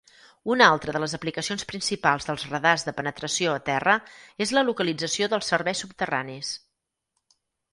Una altra de les aplicacions principals dels radars de penetració a terra és la localització dels serveis subterranis.